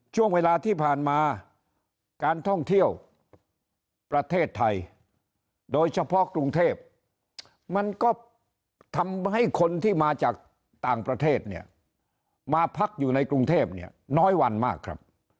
ช่วงเวลาที่ผ่านมาการท่องเที่ยวประเทศไทยโดยเฉพาะกรุงเทพมันก็ทำให้คนที่มาจากต่างประเทศเนี่ยมาพักอยู่ในกรุงเทพเนี่ยน้อยวันมากครับ